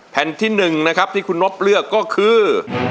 แผ่นที่๑นะครับที่คุณนบเลือกก็คือ